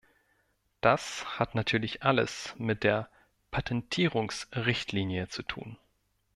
Das hat natürlich alles mit der Patentierungsrichtlinie zu tun.